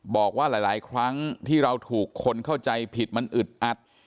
บอกว่าหลายครั้งที่เราถูกคนเข้าใจผิดมันอึดอัด